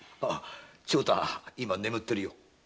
長太は今眠ってるよ。